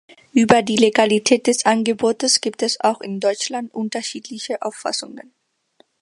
Über die Legalität des Angebotes gibt es auch in Deutschland unterschiedliche Auffassungen.